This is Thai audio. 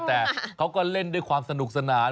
แต่เขาก็เล่นด้วยความสนุกสนาน